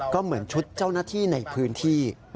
ก็เหมือนชุดเจ้าหน้าที่ในพื้นที่